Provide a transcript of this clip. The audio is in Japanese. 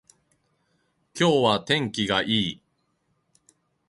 今日は天気がいい